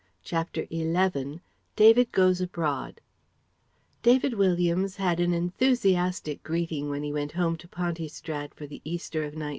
'" CHAPTER XI DAVID GOES ABROAD David Williams had an enthusiastic greeting when he went home to Pontystrad for the Easter of 1909.